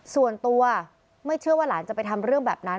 ส่วนตัวไม่เชื่อว่าหลานจะไปทำเรื่องแบบนั้น